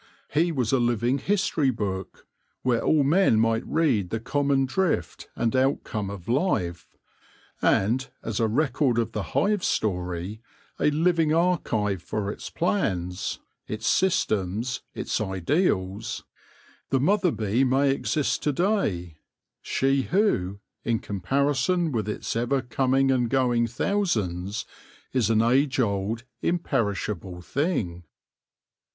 He was a living history book, where all men might read the common drift and outcome of life ; and as a record of the hive's story, a living archive for its plans, its systems, its ideals, the 178 THE LORE OF THE HONEY BEE mother bee may exist to day— she who, in compari son with its ever coming and going thousands, is an age old, imperishable thing.